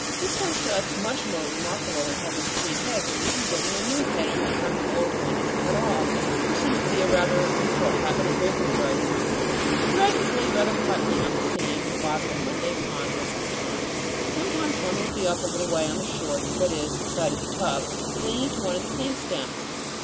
This was to us much more remarkable than having three heads or even getting a new head every time an old one is cut off, which seems to be rather a usual habit of fairy book dragons. The dragons lay rather quietly on the sand at the bottom of Monday Pond most of the time. Sometimes one would be up a little way on the shore, that is, the side of the tub, or clinging to one of the plant stems.